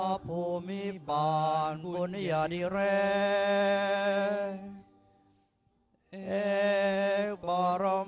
และผู้มีเกียรติที่กรบท่านได้ลุกขึ้นยืนโดยพร้อมเพียงกันครับ